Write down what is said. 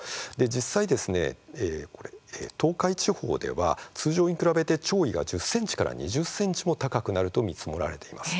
実際、東海地方では通常に比べて潮位が１０ｃｍから２０ｃｍも高くなると見積もられています。